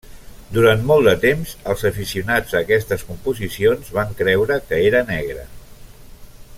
Durant molt de temps els aficionats a aquestes composicions van creure que era negre.